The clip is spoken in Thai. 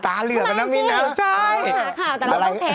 ตาเหลือกันนะมีน้ำใช่ต้องหาข่าวแต่เราก็ต้องเช็ค